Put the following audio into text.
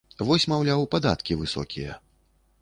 Вось, маўляў, падаткі высокія.